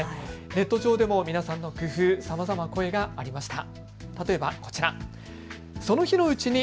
ネット上でも皆さんの工夫、さまざまな声がありました。